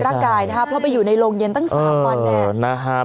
เพราะไปอยู่ในโรงเย็นตั้ง๓วัน